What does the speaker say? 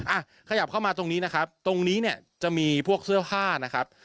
อ่ะขยับเข้ามาตรงนี้นะครับตรงนี้เนี่ยจะมีพวกเสื้อผ้านะครับ